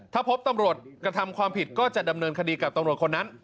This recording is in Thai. ถ้าพบตำรวจกระทำความผิดก็จะดำเนินคดีกับตำรวจคนนั้น